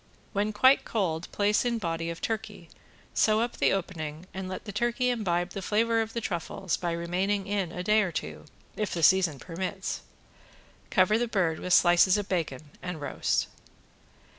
When quite cold place in body of turkey, sew up the opening and let the turkey imbibe the flavor of the truffles by remaining in a day or two, if the season permits. Cover the bird with slices of bacon and roast.